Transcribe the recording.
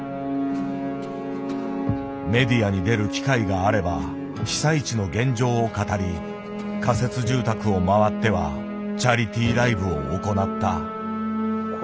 メディアに出る機会があれば被災地の現状を語り仮設住宅を回ってはチャリティーライブを行った。